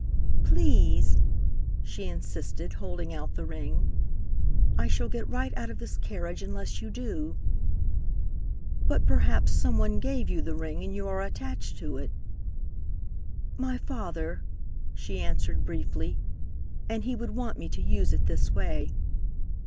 "Please!" she insisted, holding out the ring. "I shall get right out of this carriage unless you do." "But perhaps some one gave you the ring, and you are attached to it." "My father," she answered briefly, "and he would want me to use it this way."